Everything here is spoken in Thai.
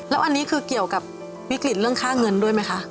แล้วอันนี้คือเกี่ยวกับวิกฤตเรื่องค่าเงินด้วยไหมคะ